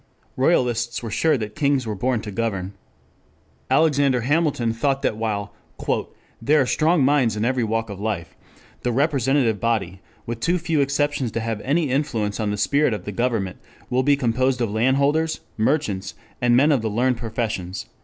Royalists were sure that kings were born to govern. Alexander Hamilton thought that while "there are strong minds in every walk of life... the representative body, with too few exceptions to have any influence on the spirit of the government, will be composed of landholders, merchants, and men of the learned professions."